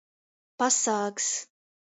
Pasāgs.